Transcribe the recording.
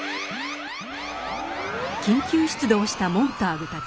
緊急出動したモンターグたち。